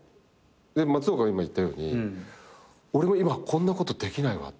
松岡が今言ったように俺は今こんなことできないわって。